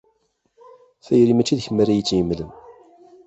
Tayri, mačči d kemm ara iyi-tt-yemmlen.